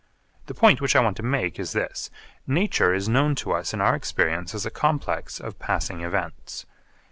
The point which I want to make is this: Nature is known to us in our experience as a complex of passing events.